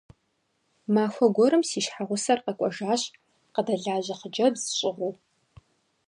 Махуэ гуэрым си щхьэгъусэр къэкӏуэжащ къыдэлажьэ хъыджэбз щӀыгъуу.